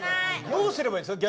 どうすればいいんですか？